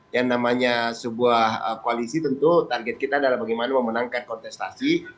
yang namanya sebuah koalisi tentu target kita adalah bagaimana memenangkan kontestasi